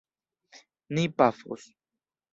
Ni pafos.